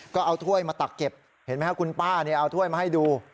ก็เอาถ้วยมาตักเก็บเห็นไหมครับคุณป้าเอาถ้วยมาให้ดู